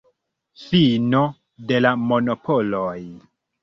Fino de la monopoloj.